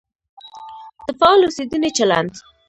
د فعال اوسېدنې چلند.